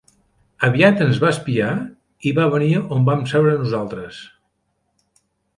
Aviat ens va espiar i va venir on vam seure nosaltres.